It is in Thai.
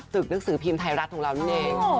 หนังสือพิมพ์ไทยรัฐของเรานั่นเอง